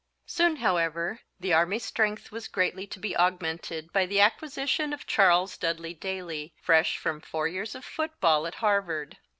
Soon, however, the Army strength was greatly to be augmented by the acquisition of Charles Dudley Daly, fresh from four years of football at Harvard.